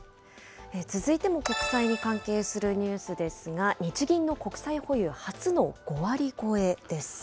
続いても国債に関係するニュースですが、日銀の国債保有、初の５割超えです。